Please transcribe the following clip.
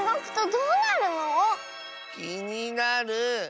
きになる。